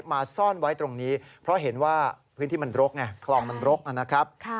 มาซ่อนไว้ตรงนี้เพราะเห็นว่าพื้นที่มันรกไงคลองมันรกนะครับ